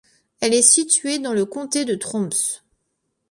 Elle est située dans le comté de Troms.